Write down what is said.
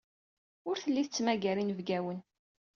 Ur telli tettmagar inebgawen.